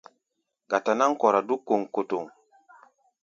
Gata-náŋ kɔra dúk kɔŋkɔtɔŋ.